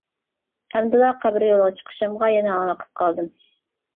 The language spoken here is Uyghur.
ئەمدىلا قەبرە يولىغا چىقىشىمغا يەنە ھاڭۋېقىپ قالدىم.